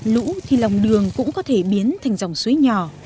lũ thì lòng đường cũng có thể biến thành dòng suối nhỏ